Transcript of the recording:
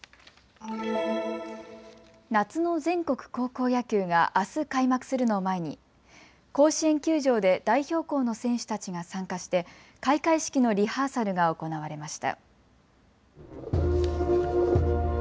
夏の全国高校野球があす開幕するのを前に甲子園球場で代表校の選手たちが参加して開会式のリハーサルが行われました。